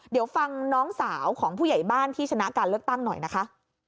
เดี๋ยวฟังน้องสาวของผู้ใหญ่บ้านที่ชนะการเลือกตั้งหน่อยนะคะ